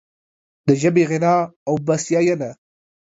د ژبې غنا او بسیاینه